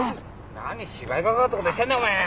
何芝居がかったことしてんだお前よ。